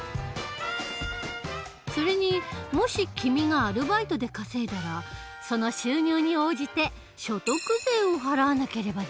それにもし君がアルバイトで稼いだらその収入に応じて所得税を払わなければならない。